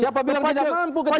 pak jokowi sudah ada yang diperbuat